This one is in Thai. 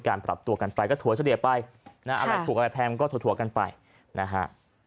กันไปก็ถั่วเสดียไปนะฮะถูกอะไรแพงมันก็ถั่วถั่วกันไปนะฮะ